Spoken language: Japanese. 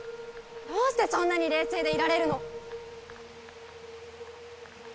どうしてそんなに冷静でいられるの？